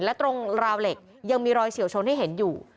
และตรงราวเหล็กยังมีรอยเฉียวชนให้เห็นอยู่